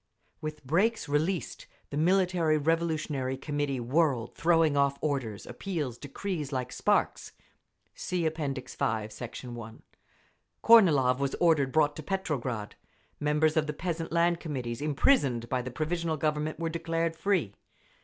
With brakes released the Military Revolutionary Committee whirled, throwing off orders, appeals, decrees, like sparks. (See App. V, Sect. 1)… Kornilov was ordered brought to Petrograd. Members of the Peasant Land Committees imprisoned by the Provisional Government were declared free.